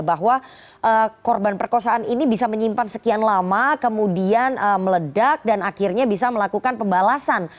bahwa korban perkosaan ini bisa menyimpan sekian lama kemudian meledak dan akhirnya bisa melakukan pembalasan